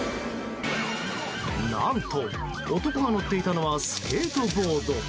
何と、男が乗っていたのはスケートボード。